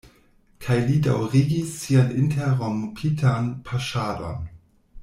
Kaj li daŭrigis sian interrompitan paŝadon.